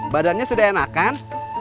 badannya sudah enakan